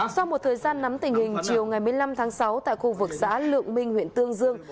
sau một thời gian nắm tình hình chiều ngày một mươi năm tháng sáu tại khu vực xã lượng minh huyện tương dương